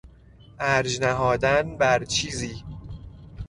ارج نهادن بر چیزی